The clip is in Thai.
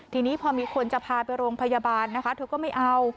ทีนี้พอมีคนจะพาไปโรงพยาบาลนะคะเธอก็ไม่เอา